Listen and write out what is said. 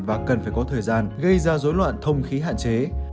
và cần phải có thời gian gây ra dối loạn thông khí hạn chế